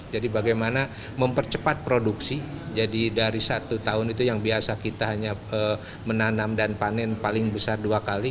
jadi bagaimana mempercepat produksi jadi dari satu tahun itu yang biasa kita hanya menanam dan panen paling besar dua kali